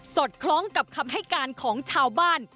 อดคล้องกับคำให้การของชาวบ้าน